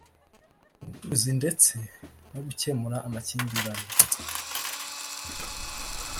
mu bucuruzi ndetse no gukemura amakimbirane